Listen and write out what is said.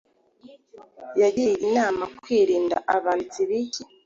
yagiriye inama kwirinda abanditsi b'iki